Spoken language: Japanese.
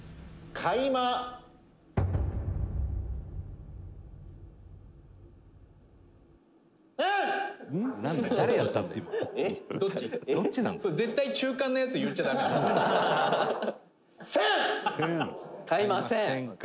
「買いません。